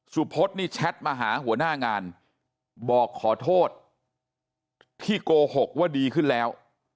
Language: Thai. สุพธนี่แชทมาหาหัวหน้างานบอกขอโทษที่โกหกว่าดีขึ้นแล้ว